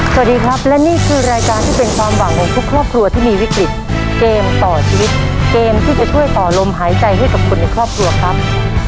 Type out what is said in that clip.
สวัสดีครับและนี่คือรายการที่เป็นความหวังของทุกครอบครัวที่มีวิกฤตเกมต่อชีวิตเกมที่จะช่วยต่อลมหายใจให้กับคนในครอบครัวครับ